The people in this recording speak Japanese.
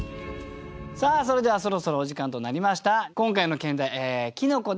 それではそろそろお時間となりました。